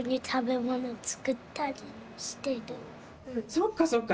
そっかそっか。